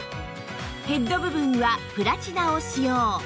ヘッド部分はプラチナを使用